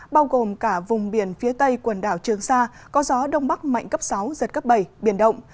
bao gồm cả vùng biển phía tây quần đảo trường sa có gió đông bắc mạnh cấp sáu giật cấp bảy biển động